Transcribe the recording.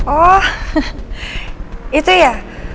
oh itu ya